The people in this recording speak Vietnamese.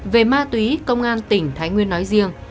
về ma túy công an tỉnh thái nguyên nói riêng